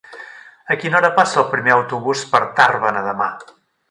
A quina hora passa el primer autobús per Tàrbena demà?